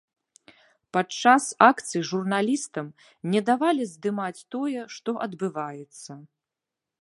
Падчас акцый журналістам не давалі здымаць тое, што адбываецца.